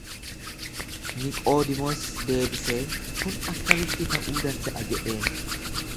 Niqoodimoos deebisee, Kun attamitti ta'uu danda'a jedheen.